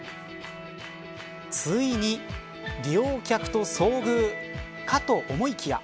ついに利用客と遭遇かと思いきや。